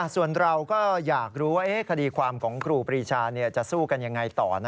ส่วนเราก็อยากรู้ว่าคดีความของครูปรีชาจะสู้กันยังไงต่อ